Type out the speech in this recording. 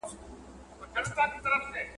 په خپلوانو کي عمه غيم، په چايو کي شمه غيم.